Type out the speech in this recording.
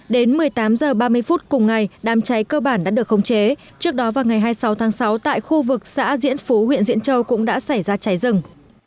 đến một mươi tám h ba mươi phút cùng ngày đám cháy cơ bản đã được khống chế trước đó vào ngày hai mươi sáu tháng sáu tại khu vực xã diễn phú huyện diễn châu cũng đã xảy ra cháy rừng